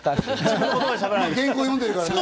原稿を読んでるからね。